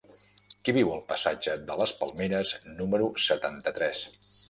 Qui viu al passatge de les Palmeres número setanta-tres?